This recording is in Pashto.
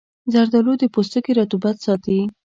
زردآلو د پوستکي رطوبت ساتي.